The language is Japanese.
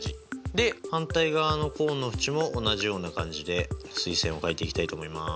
で反対側のコーンの縁も同じような感じで垂線を描いていきたいと思います。